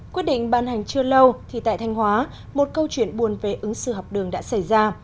quyết định ban hành chưa lâu thì tại thanh hóa một câu chuyện buồn về ứng xử học đường đã xảy ra